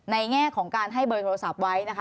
แง่ของการให้เบอร์โทรศัพท์ไว้นะคะ